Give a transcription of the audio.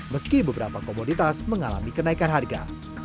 meski beberapa komoditas mengalami kenaikan harga